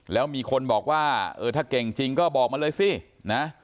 แล้วมีคนบอกว่าเออถ้าเก่งจริงก็บอกมาเลยสินะ